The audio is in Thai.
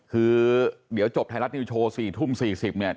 คือเดี๋ยวจบไทยรัฐนิวโชว์๔ทุ่ม๔๐เนี่ย